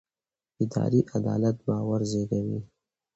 اداري عدالت باور زېږوي